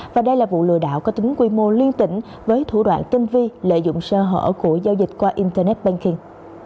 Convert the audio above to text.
và đây là vụ lừa đảo có tính quy mô liên tỉnh với thủ đoạn tinh vi lợi dụng sơ hở của giao dịch qua internet banking